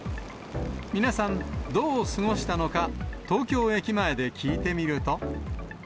皆さん、どう過ごしたのか、東京駅前で聞いてみると。